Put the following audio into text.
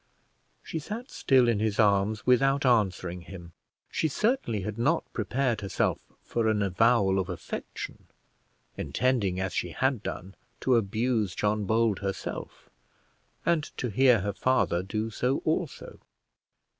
She sat still in his arms without answering him. She certainly had not prepared herself for an avowal of affection, intending, as she had done, to abuse John Bold herself, and to hear her father do so also.